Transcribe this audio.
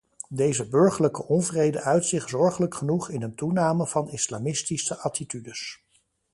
Deze burgerlijke onvrede uit zich zorgelijk genoeg in een toename van islamistische attitudes.